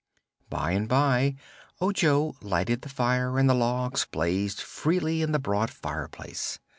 By and by Ojo lighted the fire and the logs blazed freely in the broad fireplace.